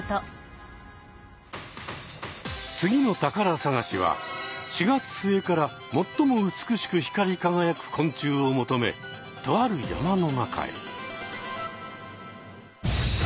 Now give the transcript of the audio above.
次の宝探しは４月末から最も美しく光りかがやく昆虫を求めとある山の中へ。